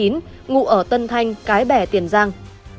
ngụ ở tân thanh cái bè tiền giang